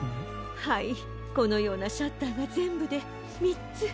はいこのようなシャッターがぜんぶでみっつ。